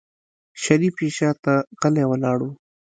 شريف يې شاته غلی ولاړ و.